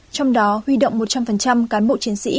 trong đó huy động một trăm linh cán bộ chiến sĩ